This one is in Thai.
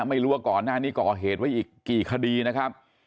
ไม่รู้ว่าก่อนหน้านี้ก่อเหตุไว้อีกกี่คดีนะครับ